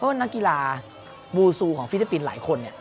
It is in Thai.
เพราะว่านักกีฬาวูซูของฟิลิปปินส์หลายคน